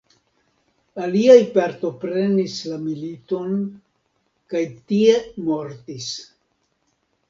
Aliaj partoprenis la militon kaj tie mortis.